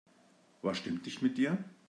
Was stimmt nicht mit dir?